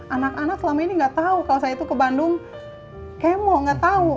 anak anak selama ini nggak tahu kalau saya itu ke bandung kemo nggak tahu